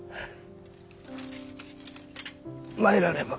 参らねば。